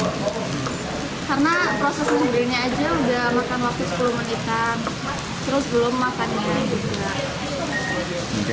karena proses menggunakannya aja udah makan waktu sepuluh menitan terus belum makannya